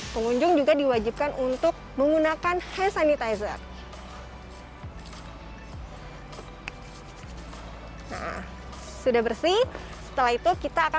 pengunjung juga diwajibkan untuk menggunakan hand sanitizer nah sudah bersih setelah itu kita akan